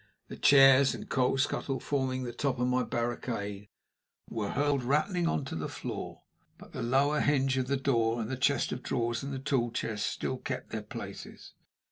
The chairs and coal scuttle, forming the top of my barricade, were hurled, rattling, on to the floor, but the lower hinge of the door, and the chest of drawers and the tool chest still kept their places.